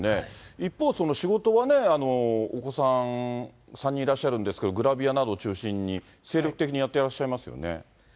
一方、仕事はね、お子さん３人いらっしゃるんですけど、グラビアなど中心に、精力的にやってらっしゃいますよね。